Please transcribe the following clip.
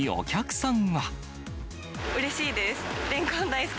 うれしいです。